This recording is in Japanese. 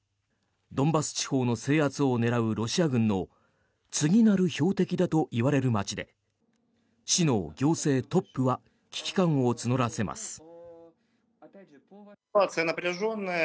ドンバス地方の制圧を狙うロシア軍の次なる標的だといわれる街で市の行政トップは危機感を募らせます。